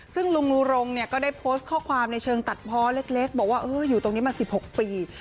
ซึ่งลุงนูรงเนี่ยก็ได้โพสต์ข้อความในเชิงตัดพอเล็กบอกว่าอยู่ตรงนี้มา๑๖ปี